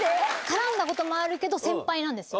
絡んだこともあるけど、先輩なんです。